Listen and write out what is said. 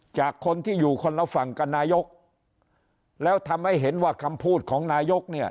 จากคนที่อยู่คนละฝั่งกับนายกแล้วทำให้เห็นว่าคำพูดของนายกเนี่ย